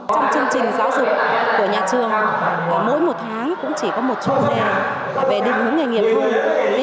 trong chương trình giáo dục của nhà trường mỗi một tháng cũng chỉ có một chút về định hướng nghề nghiệp thôi